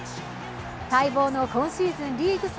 待望の今シーズンリーグ戦